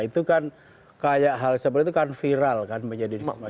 itu kan kayak hal seperti itu kan viral kan menjadi di masa lalu